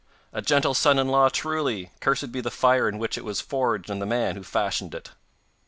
'A gentle son in law, truly! Cursed be the fire in which it was forged and the man who fashioned it!